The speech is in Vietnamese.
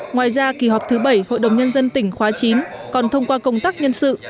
ngoài ra kỳ họp thứ bảy hội đồng nhân dân tỉnh khóa chín còn thông qua công tác nhân sự